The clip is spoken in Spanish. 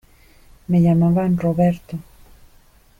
me llamaban Roberto.